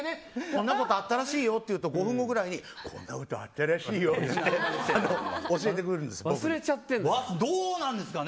こんなことあったらしいよって言ったら５分後ぐらいにこんなことあったらしいよって教えたの忘れちゃうんですか？